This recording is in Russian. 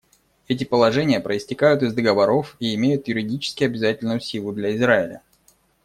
Эти положения проистекают из договоров и имеют юридически обязательную силу для Израиля.